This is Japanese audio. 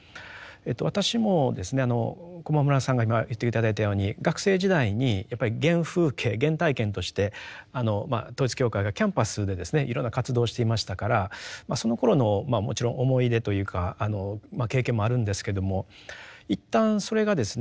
私もですね駒村さんが今言って頂いたように学生時代にやっぱり原風景原体験として統一教会がキャンパスでですねいろんな活動をしていましたからそのころのまあもちろん思い出というか経験もあるんですけども一旦それがですね